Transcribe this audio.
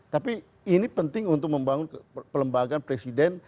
tapi ini penting untuk membangun pelembagaan presiden